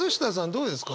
どうですか？